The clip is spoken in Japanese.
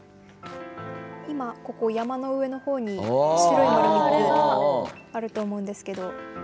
今山の上の方に白い丸３つあると思うんですけど。